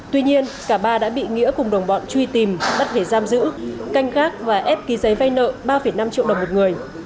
tuy nhiên cả ba đã bị nghĩa cùng đồng bọn truy tìm bắt về giam giữ canh gác và ép ký giấy vay nợ ba năm triệu đồng một người